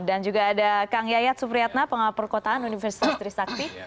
dan juga ada kang yayat supriyatna pengawal perkotaan universitas trisakti